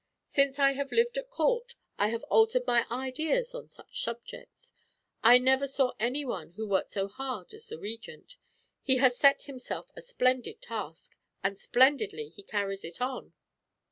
Since I have lived at a court I have altered my ideas on such subjects. I never saw any one who worked so hard as the Regent. He has set himself a splendid task, and splendidly he carries it on."